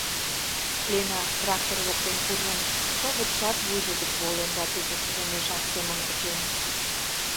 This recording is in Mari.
Лена трактор воктен куржын, шовычшат вуйжо гыч волен да тупыштыжо мешак семын кечен.